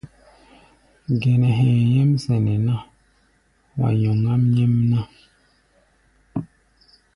Gɛnɛ hɛ̧ɛ̧ nyɛ́m sɛnɛ ná, wa nyɔŋáʼm nyɛ́mná.